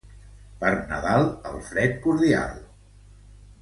Per Nadal, el fred cordial.